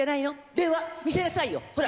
電話見せなさいよほら！